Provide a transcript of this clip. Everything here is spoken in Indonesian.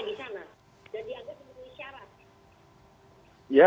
dan dianggap memenuhi syarat